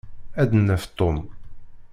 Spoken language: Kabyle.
Ad d-naf Tom.